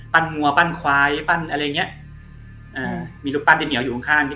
ปั้นงัวปั้นควายปั้นอะไรเนี่ยมีลูกปั้นที่เหงียวอยู่ข้าง